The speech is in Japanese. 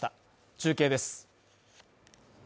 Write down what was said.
中継です。